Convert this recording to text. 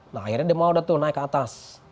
nah akhirnya dia mau naik ke atas